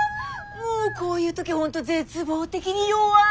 もうこういう時本当絶望的に弱い。